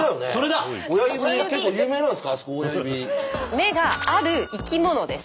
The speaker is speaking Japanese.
目がある生き物です。